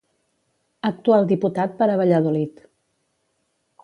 Actual diputat per a Valladolid.